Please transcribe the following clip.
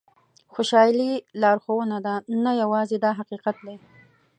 خوشالي لارښوونه ده نه یو ځای دا حقیقت دی.